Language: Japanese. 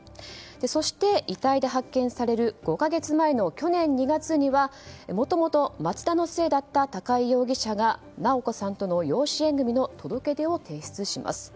そして、遺体で発見される５か月前の去年２月にはもともと松田の姓だった高井容疑者が直子さんとの養子縁組の届け出を提出します。